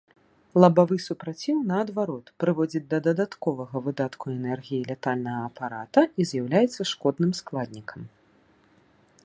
Лабавы супраціў, наадварот, прыводзіць да дадатковага выдатку энергіі лятальнага апарата і з'яўляецца шкодным складнікам.